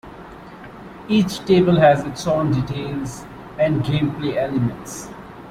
Each table has its own details and gameplay elements.